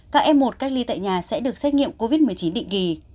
các f một cách ly tại nhà sẽ được xét nghiệm covid một mươi chín định kỳ